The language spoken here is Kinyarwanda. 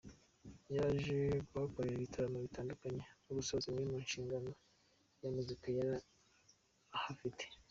Yaje kuhakorera ibitaramo bitandukanye no gusoza imwe mu mishinga ya muzika yari ahafite.